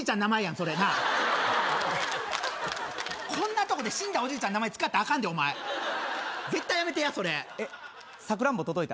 それなあこんなとこで死んだおじいちゃんの名前使ったらアカンで絶対やめてやそれえっサクランボ届いた？